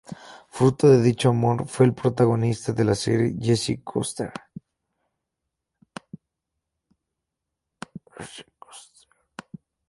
Fruto de dicho amor fue el protagonista de la serie, Jesse Custer.